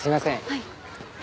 はい。